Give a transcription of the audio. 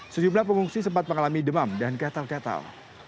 sejumlah pengungsi sempat mengalami demam dan ketal ketal